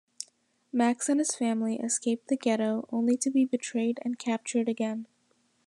Max and his family escaped the ghetto, only to be betrayed and captured again.